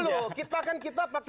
nanti dulu kita kan kita pakai